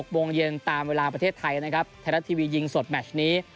โมงเย็นตามเวลาประเทศไทยนะครับไทยรัฐทีวียิงสดแมชนี้